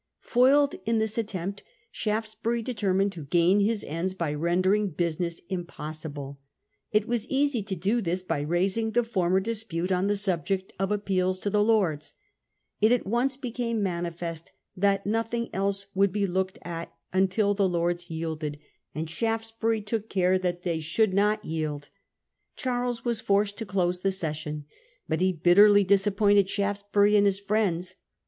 Foiled in this attempt, Shaftesbury determined to gain his ends by rendering business im possible. It was easy to do this by raising the former dispute on the subject of appeals to the Lords. It at once became manifest that nothing else would be looked at until the Lords yielded, and Shaftesbury took care that Parliament they should not yield. Charles was forced to prorogued. c i ose t he session But he bitterly disappointed Shaftesbury and his friends.